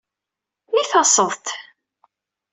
I taseḍ-d?